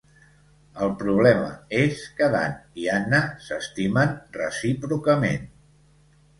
El problema és que Dan i Anna s'estimen recíprocament.